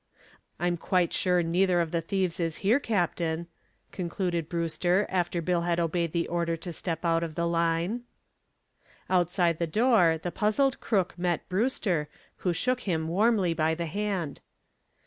I'm quite sure neither of the thieves is here, Captain," concluded Brewster, after Bill had obeyed the order to step out of the line. Outside the door the puzzled crook met Brewster, who shook him warmly by the hand.